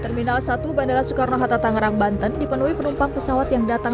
terminal satu bandara soekarno hatta tangerang banten dipenuhi penumpang pesawat yang datang